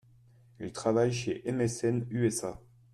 Il travaille chez MSN - USA.